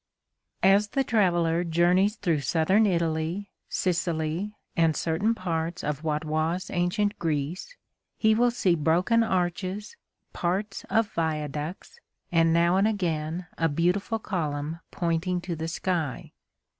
As the traveler journeys through Southern Italy, Sicily and certain parts of what was Ancient Greece, he will see broken arches, parts of viaducts, and now and again a beautiful column pointing to the sky.